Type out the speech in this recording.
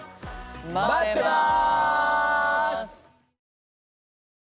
まってます！